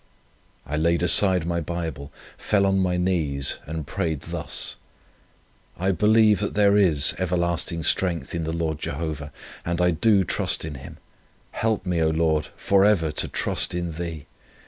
I laid aside my Bible, fell on my knees, and prayed thus: I believe that there is everlasting strength in the Lord Jehovah, and I do trust in Him; help me, O Lord, for ever to trust in Thee.